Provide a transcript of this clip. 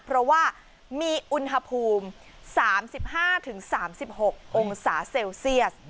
เพราะว่ามีอุณหภูมิ๓๕๓๖องศาเซลเซียส